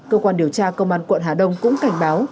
cơ quan điều tra công an quận hà đông cũng cảnh báo